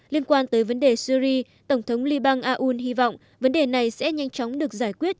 liên quan tới vấn đề syri tổng thống liên bang aoun hy vọng vấn đề này sẽ nhanh chóng được giải quyết